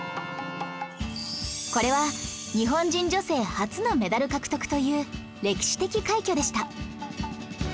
これは日本人女性初のメダル獲得という歴史的快挙でした